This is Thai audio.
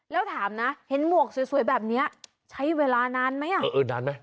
แล้วถามนะเห็นหมวกสวยแบบนี้ใช้เวลานานไหม